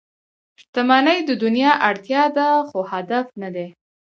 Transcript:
• شتمني د دنیا اړتیا ده، خو هدف نه دی.